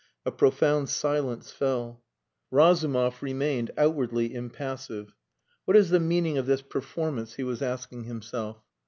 A profound silence fell. Razumov remained outwardly impassive. "What is the meaning of this performance?" he was asking himself.